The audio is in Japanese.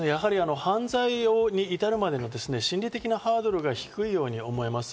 犯罪に至るまでの心理的なハードルが低いように思います。